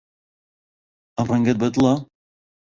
ئەم ڕەنگەت بەدڵە؟